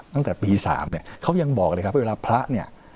ตั้งแต่ปี๓เนี่ยเขายังบอกเลยครับเวลาพระเนี่ย